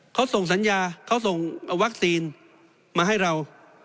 เขาส่งสัญญาเขาส่งวัคซีนมาให้เรา